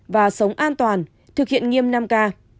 và sống an toàn thực hiện nghiêm năm k